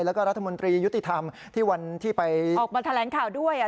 แล้วก็รัฐมนตรียุติธรรมที่วันที่ไปออกมาแถลงข่าวด้วย